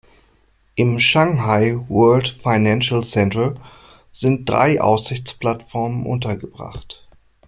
Im Shanghai World Financial Center sind drei Aussichtsplattformen untergebracht.